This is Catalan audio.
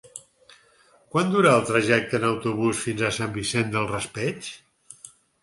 Quant dura el trajecte en autobús fins a Sant Vicent del Raspeig?